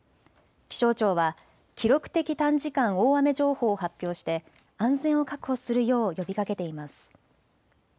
気象庁は記録的短時間大雨情報を発表して安全を確保するよう呼びかけています。